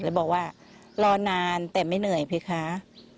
แล้วบอกว่ารอนานแต่ไม่เหนื่อยพี่คะ